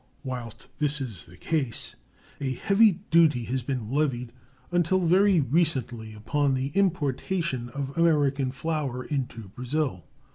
Whilst this is the case, a heavy duty has been levied until very recently upon the importation of American flour into Brazil.